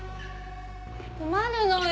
困るのよ。